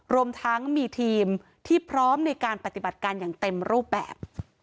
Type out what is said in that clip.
รวมทั้งมีทีมที่พร้อมในการปฏิบัติการอย่างเต็มรูปแบบ